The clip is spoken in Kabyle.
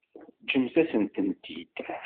Ǧǧemt-asen-tent-id.